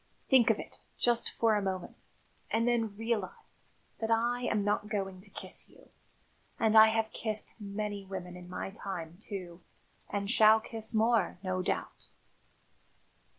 Think of it, just for a moment, and then realise that I am not going to kiss you. And I have kissed many women in my time, too, and shall kiss more, no doubt."